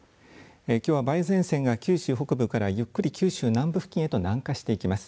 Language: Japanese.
きょうは梅雨前線が九州北部からゆっくり九州南部付近へと南下していきます。